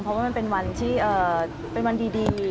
เพราะว่ามันเป็นวันที่เป็นวันดี